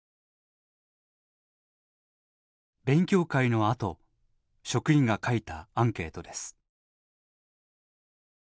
勉強会のあと職員が書いたアンケートです。